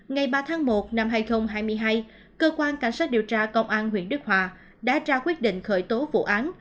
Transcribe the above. ngày ba tháng một năm hai nghìn hai mươi hai cơ quan cảnh sát điều tra công an huyện đức hòa đã ra quyết định khởi tố vụ án